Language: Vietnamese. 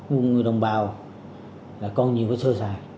của người đồng bào là còn nhiều sơ sài